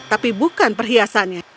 tapi bukan perhiasannya